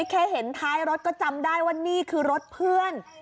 แค่เห็นท้ายรถก็จำได้ว่านี่คือรถเพื่อน